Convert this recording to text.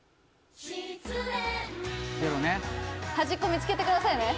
「失恋」「端っこ見つけてくださいね」